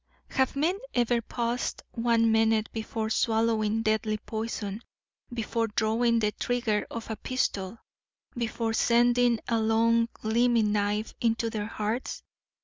Have men ever paused one minute before swallowing deadly poison, before drawing the trigger of a pistol, before sending a long, gleaming knife into their hearts?